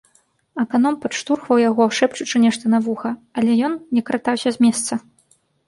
Аканом падштурхваў яго, шэпчучы нешта на вуха, але ён не кратаўся з месца.